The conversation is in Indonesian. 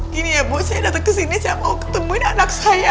gini ya bu saya datang ke sini saya mau ketemuin anak saya